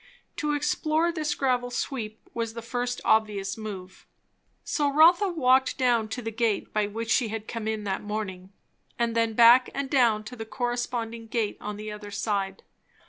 To explore this gravel sweep was the first obvious move. So Rotha walked down to the gate by which she had come in that morning, and then back and down to the corresponding gate on the other side.